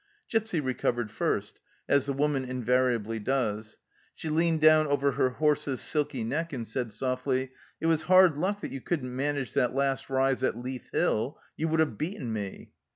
Gipsy recovered first, as the woman invariably does. She leaned down over her horse's silky neck, and said softly : "It was hard luck that you couldn't manage that last rise at Leith Hill ! You would have beaten me